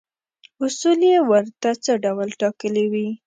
اصول یې ورته څه ډول ټاکلي وي.